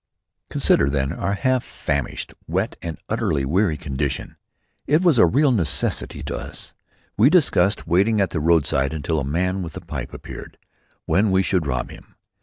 Consider then our half famished, wet and utterly weary condition. It was a real necessity to us. We discussed waiting at the roadside until a man with a pipe appeared; when we should rob him.